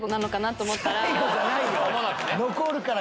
残るから！